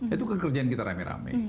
itu pekerjaan kita rame rame